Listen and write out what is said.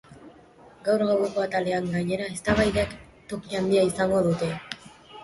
Gaur gaueko atalean, gainera, eztabaidek toki handia izango dute.